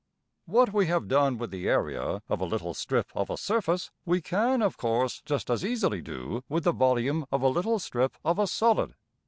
} What we have done with the area of a little strip of a surface, we can, of course, just as easily do with the volume of a little strip of a solid.